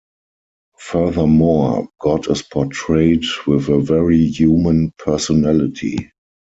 Furthermore, God is portrayed with a very human personality.